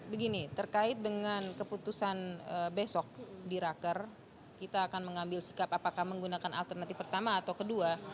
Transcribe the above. begini terkait dengan keputusan besok di raker kita akan mengambil sikap apakah menggunakan alternatif pertama atau kedua